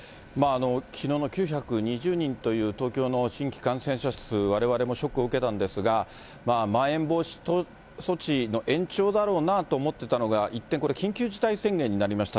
きのうの９２０人という東京の新規感染者数、われわれもショックを受けたんですが、まん延防止措置の延長だろうなと思ってたのが、一転、これ、緊急事態宣言になりました。